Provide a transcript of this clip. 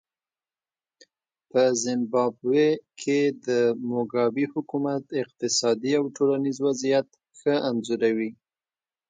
په زیمبابوې کې د موګابي حکومت اقتصادي او ټولنیز وضعیت ښه انځوروي.